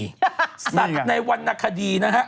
สัตว์ในวรรณคดีนะฮะ